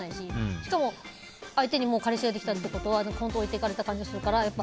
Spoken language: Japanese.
しかも、相手にもう彼氏ができたということは置いて行かれた感じがするから。